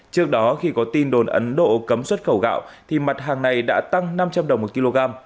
trước đó khi có tin đồn ấn độ cấm xuất khẩu gạo thì mặt hàng này đã tăng năm trăm linh đồng một kg